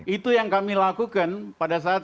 itu yang kami lakukan pada saat